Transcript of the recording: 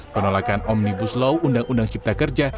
penolakan omnibus law undang undang cipta kerja